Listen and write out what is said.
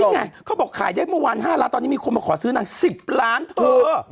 นี่ไงเขาบอกขายได้เมื่อวาน๕ล้านตอนนี้มีคนมาขอซื้อนาง๑๐ล้านเธอ